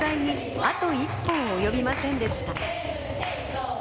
表彰台にあと一歩及びませんでした。